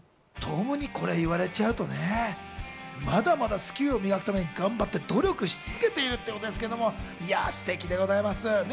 トムにこれ言われちゃうとね、まだまだスキルを磨くために頑張って努力し続けているということですけれど、ステキでございます。